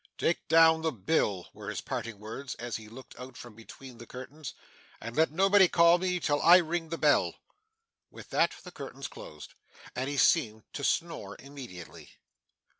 'Take down the bill,' were his parting words, as he looked out from between the curtains; 'and let nobody call me till I ring the bell.' With that the curtains closed, and he seemed to snore immediately.